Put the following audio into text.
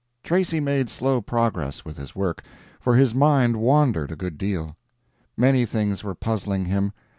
Tracy made slow progress with his work, for his mind wandered a good deal. Many things were puzzling him.